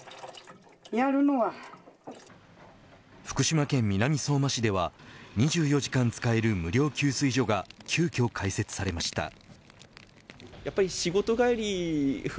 福島県南相馬市では２４時間使える無料給水所が急きょ開設されました。